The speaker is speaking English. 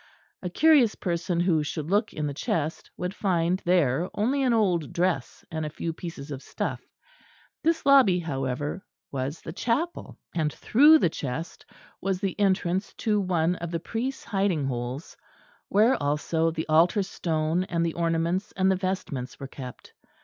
A curious person who should look in the chest would find there only an old dress and a few pieces of stuff. This lobby, however, was the chapel; and through the chest was the entrance to one of the priest's hiding holes, where also the altar stone and the ornaments and the vestments were kept.